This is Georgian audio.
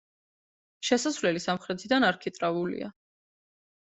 შესასვლელი სამხრეთიდან არქიტრავულია.